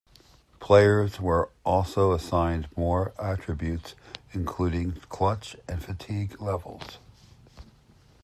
Players were also assigned more attributes, including clutch and fatigue levels.